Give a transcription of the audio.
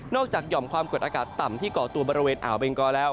จากหย่อมความกดอากาศต่ำที่ก่อตัวบริเวณอ่าวเบงกอแล้ว